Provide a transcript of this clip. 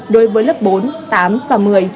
đối với lớp bốn tám và một mươi